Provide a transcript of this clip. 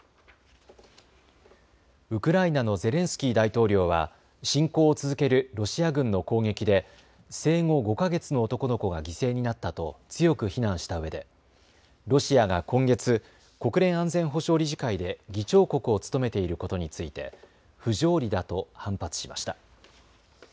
ウクライナのゼレンスキー大統領は侵攻を続けるロシア軍の攻撃で生後５か月の男の子が犠牲になったと強く非難したうえでロシアが今月、国連安全保障理事会で議長国を務めていることについて不条理だと反発しました。